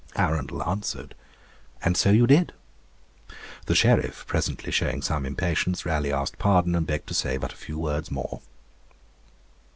Arundel answered, 'And so you did!' The Sheriff presently showing some impatience, Raleigh asked pardon, and begged to say but a few words more.